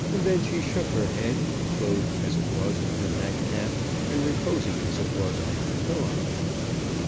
And then she shook her head, clothed as it was in her night cap, and reposing as it was on her pillow.